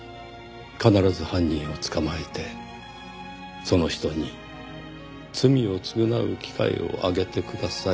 必ず犯人を捕まえてその人に罪を償う機会をあげてください」